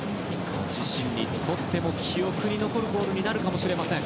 自身にとっても記憶に残るゴールになるかもしれません。